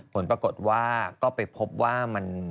ผลปรากฏว่าก็ไปพบว่ามัน